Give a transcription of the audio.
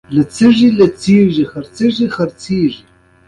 د کندهار دوه زره کلن پخوانی ښار لاهم شته